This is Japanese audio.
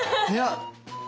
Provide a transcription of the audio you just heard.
いや。